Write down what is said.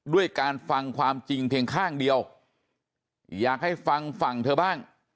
ด้วยการฟังความจริงเพียงข้างเดียวอยากให้ฟังฝั่งเธอบ้าง